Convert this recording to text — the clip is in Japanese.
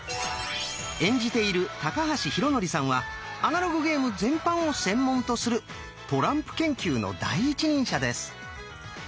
演じている高橋浩徳さんはアナログゲーム全般を専門とするトランプ研究の第一人者です。